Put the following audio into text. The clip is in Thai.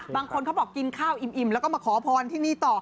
บางคนเขาบอกกินข้าวอิ่มแล้วก็มาขอพรที่นี่ต่อ